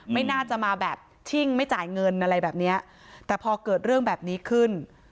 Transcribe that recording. ไม่น่าจะมาแบบชิ่งไม่จ่ายเงินอะไรแบบเนี้ยแต่พอเกิดเรื่องแบบนี้ขึ้น